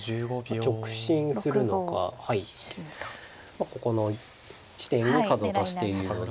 まあここの地点に数を足しているので。